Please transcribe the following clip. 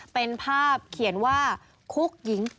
เป็นภาพเขียนว่าคุกหญิง๘